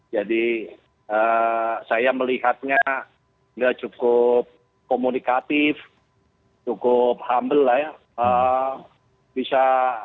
jadi saya melihatnya dia cukup komunikatif cukup humble lah ya